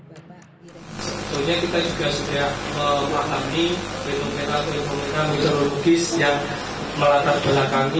sebetulnya kita juga sudah melatangi fenomena meteorologis yang melatar belakang